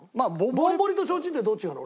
ぼんぼりと提灯ってどう違うの？